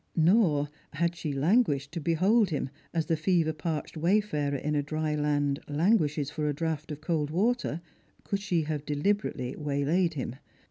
Nor, had she languished to behold him as the fever parched wayfarer in a dry land languishes for a draught of cold water, could she have deHberately waylaid him.